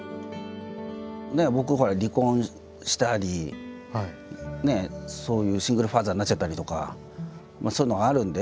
僕ほら離婚したりねそういうシングルファーザーになっちゃったりとかそういうのがあるんで。